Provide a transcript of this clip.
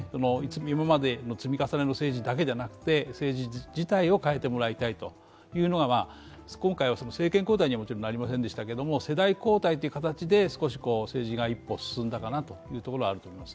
今までの積み重ねの政治だけじゃなくて政治自体を変えてもらいたいというのが、今回は政権交代にはなりませんでしたけれども、世代交代という形で政治が一歩進んだかなというところはあると思います。